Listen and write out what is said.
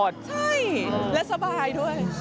ใช่และสบายด้วย